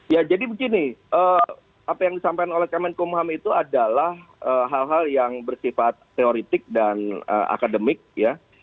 ya jadi begini apa yang disampaikan oleh kemenkumham itu adalah hal hal yang bersifat teoretik dan akademik ya